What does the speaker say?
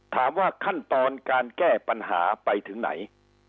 ถามว่าขั้นตอนการแก้ปัญหาไปถึงไหน